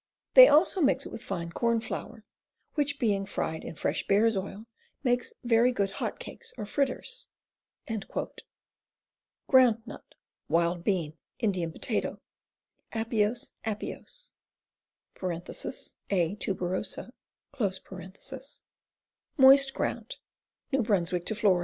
They also mix it with fine corn flour, which being fried in fresh bear's oil makes very good hot cakes or fritters." Ground Nut. Wild Bean. Indian Potato. Apios Apios (A. tuberosa). Moist ground. New Bruns. to Fla.